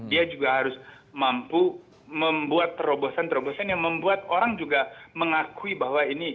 dia juga harus mampu membuat terobosan terobosan yang membuat orang juga mengakui bahwa ini